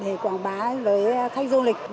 báo bá với khách du lịch